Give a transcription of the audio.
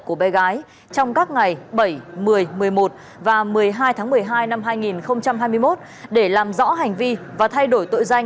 của bé gái trong các ngày bảy một mươi một mươi một và một mươi hai tháng một mươi hai năm hai nghìn hai mươi một để làm rõ hành vi và thay đổi tội danh